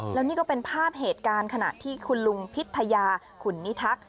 แล้วนี่ก็เป็นภาพเหตุการณ์ขณะที่คุณลุงพิทยาขุนนิทักษ